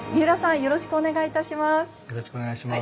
よろしくお願いします。